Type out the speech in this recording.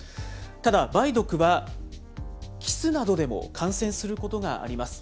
ただ、梅毒はキスなどでも感染することがあります。